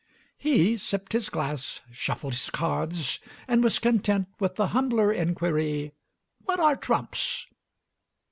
He sipped his glass, shuffled his cards, and was content with the humbler inquiry, "What are trumps?"